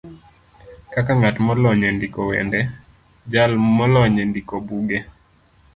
kaka ng'at molony e ndiko wende, jal molony e ndiko buge,